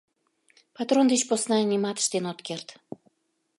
— Патрон деч посна нимат ыштен ом керт.